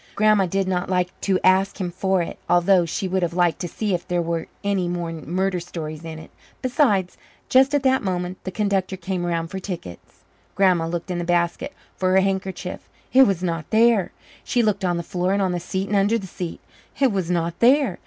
Grandma did not like to ask him for it, although she would have liked to see if there were any more murder stories in it. Besides, just at that moment the conductor came around for tickets. Grandma looked in the basket for her handkerchief. It was not there. She looked on the floor and on the seat and under the seat. It was not there.